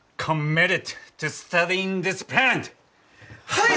はい！